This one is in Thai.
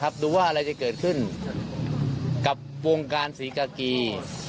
ดูว่าอะไรจะเกิดขึ้นกับวงการศรีกากี